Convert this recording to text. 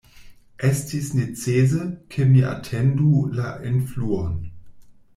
Estis necese, ke mi atendu la enfluon.